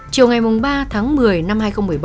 chiều ngày ba tháng một mươi năm hai nghìn một mươi bảy